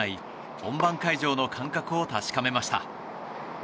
本番会場の感覚を確かめました。